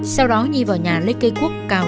sau đó nhi vào nhà lấy cây cuốc cao hơn